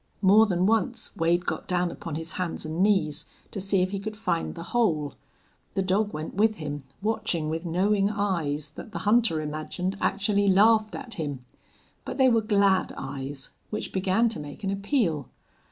More than once Wade got down upon his hands and knees to see if he could find the hole. The dog went with him, watching with knowing eyes that the hunter imagined actually laughed at him. But they were glad eyes, which began to make an appeal.